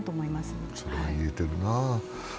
それは言えてるなあ。